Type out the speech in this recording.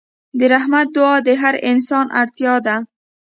د رحمت دعا د هر انسان اړتیا ده.